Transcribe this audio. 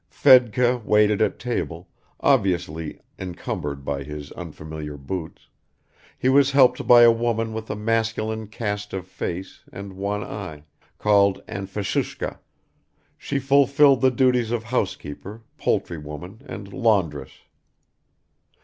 Fedka waited at table, obviously encumbered by his unfamiliar boots; he was helped by a woman with a masculine cast of face and one eye, called Anfisushka; she fulfilled the duties of housekeeper, poultry woman and laundress.